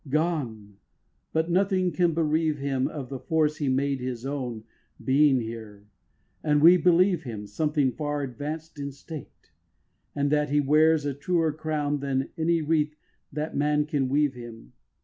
Gone; but nothing can bereave him Of the force he made his own Being here, and we believe him Something far advanced in State, And that he wears a truer crown Than any wreath that man can weave him.